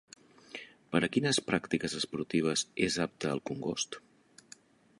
Per a quines pràctiques esportives és apte el congost?